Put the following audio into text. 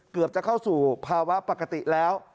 เกือบจะเข้าสู่ภาวะปกติแล้ว